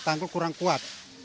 tanggul kurang kuat